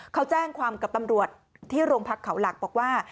เขาแจ้งความกับตำรวจที่โรงพักเขาหลักบอกว่า